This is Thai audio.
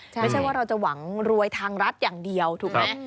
ไม่ใช่ว่าเราจะหวังรวยทางรัฐอย่างเดียวถูกไหม